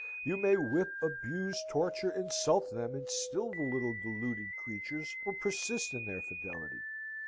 You may whip, abuse, torture, insult them, and still the little deluded creatures will persist in their fidelity.